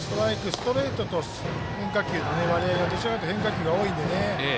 ストレートと変化球の変化球の割合がどちらかというと多いんでね。